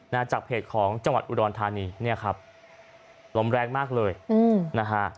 จากเพจของจังหวัดอุดรธานีเนี่ยครับลมแรงมากเลยอืมนะฮะ